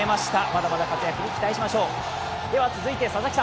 まだまだ活躍に期待しましょう。